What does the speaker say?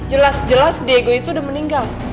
jelas jelas diego itu udah meninggal